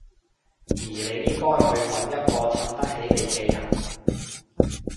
而你應該去搵一個襯得起你嘅人